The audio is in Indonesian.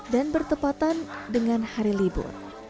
dan bertepatan dengan hari libur